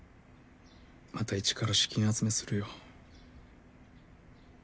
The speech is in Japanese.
またイチから資金集めするよ。